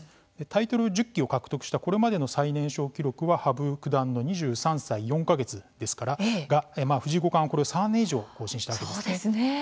タイトル１０期を獲得したこれまでの最年少記録は羽生九段の２３歳４か月ですが藤井五冠はこれを３年以上更新したわけですね。